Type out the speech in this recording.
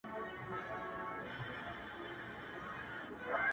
خړسایل مي د لفظونو شاهنشا دی,